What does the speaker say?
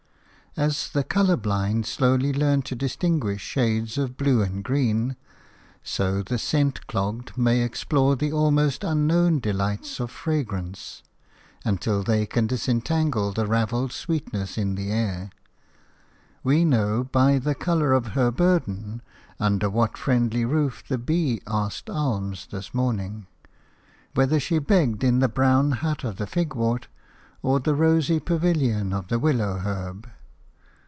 AS the colour blind slowly learn to distinguish shades of blue and green, so the scent clogged may explore the almost unknown delight of fragrance; until they can disentangle the ravelled sweetness in the air. We know by the colour of her burden under what friendly roof the bee asked alms this morning – whether she begged in the brown hut of the figwort or the rosy pavilion of the willow herb.